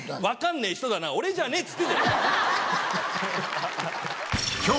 分かんねえ人だな俺じゃねえ。